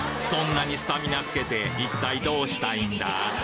そんなにスタミナつけて一体どうしたいんだ？